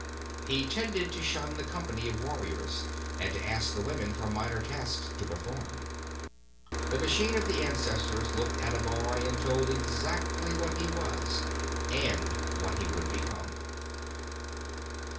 He tended to shun the company of warriors and to ask the women for minor tasks to perform. The machine of the ancestors looked at a boy and told exactly what he was and what he would become.